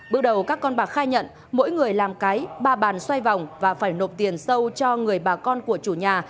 bước đầu các con bạc khai nhận mỗi người làm cái ba bàn xoay vòng và phải nộp tiền sâu cho người bà con của chủ nhà